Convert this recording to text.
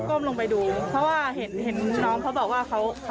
กลมลงไปดูเพราะว่าเห็นน้องเขาบอกว่า